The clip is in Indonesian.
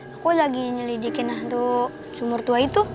aku lagi nyelidiki nantu sumur tua itu